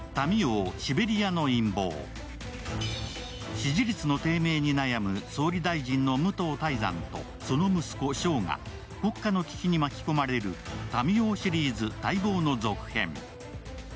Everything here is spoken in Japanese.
支持率の低迷に悩む総理大臣の武藤泰山とその息子・翔が国家の危機に巻き込まれる「民王」シリーズ待望の続編。